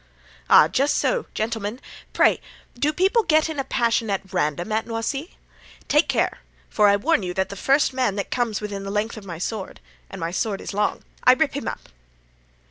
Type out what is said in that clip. "Ah! just so, gentlemen! pray, do people get into a passion at random at Noisy? Take care, for I warn you that the first man that comes within the length of my sword—and my sword is long—I rip him up."